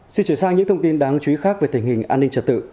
xin trở sang những thông tin đáng chú ý khác về tình hình an ninh trả tự